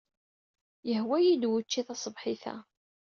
Yehwa-iyi-d wucci taṣebḥit-a.